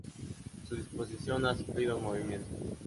Su disposición ha sufrido movimientos.